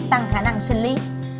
tăng khả năng sinh lý